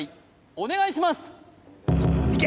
お願いします